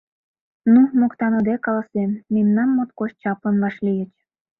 Ну, моктаныде каласем, мемнам моткоч чаплын вашлийыч.